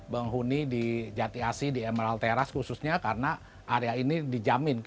tahun ini di jatiasi di emerald terrace khususnya karena area ini dijamin